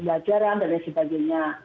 pelajaran dan lain sebagainya